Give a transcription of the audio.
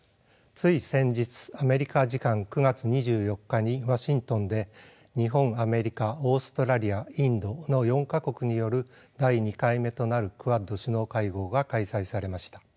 つい先日アメリカ時間９月２４日にワシントンで日本アメリカオーストラリアインドの４か国による第２回目となるクアッド首脳会合が開催されました。